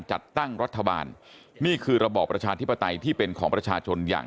จัดตั้งรัฐบาลนี่คือระบอบประชาธิปไตยที่เป็นของประชาชนอย่าง